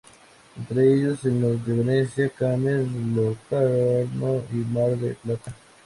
Entre ellos, en los de Venecia, Cannes, Locarno y Mar del Plata.